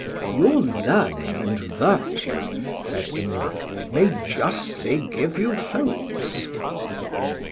"Your learning and virtue," said Imlac, "may justly give you hopes."